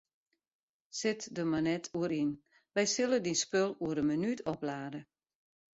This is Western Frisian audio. Sit der mar net oer yn, wy sille dyn spul oer in minút oplade.